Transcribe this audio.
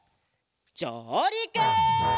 じょうりく！